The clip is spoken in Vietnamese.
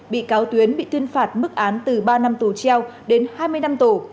bị cáo tuyến bị tuyên phạt mức án từ ba năm tù treo đến hai mươi năm tù